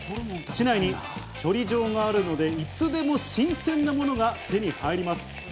市内に処理場があるので、いつでも新鮮なものが手に入ります。